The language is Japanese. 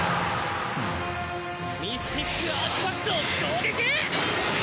ミスティックアーティファクトを攻撃！